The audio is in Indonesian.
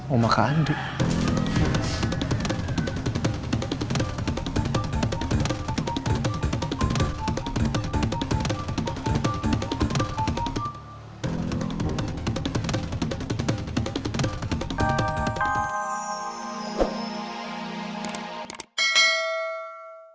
oh maka anduh